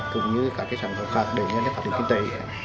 cũng như các sản phẩm khác để nhân dân phát triển kinh tế